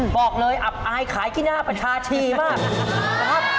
บอกเลยอับอายขายกี้หน้าปัชชาชีมาก